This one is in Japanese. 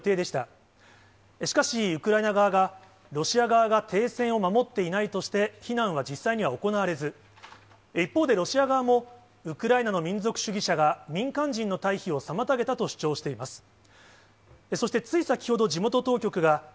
しかしウクライナ側が、ロシア側が停戦を守っていないとして、避難は実際には行われず、一方でロシア側も、ウクライナの民族主義者が民間人の退避を妨げたと主張しています。